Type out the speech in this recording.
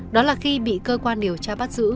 đó là khi bị cơ quan điều tra bắt giữ